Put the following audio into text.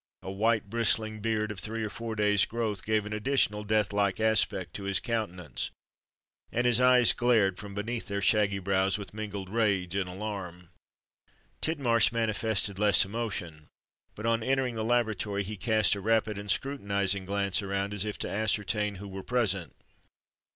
A white bristling beard, of three or four days' growth gave an additional death like aspect to his countenance; and his eyes glared, from beneath their shaggy brows, with mingled rage and alarm. Tidmarsh manifested less emotion; but, on entering the laboratory, he cast a rapid and scrutinizing glance around, as if to ascertain who were present.